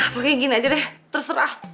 makanya gini aja deh terserah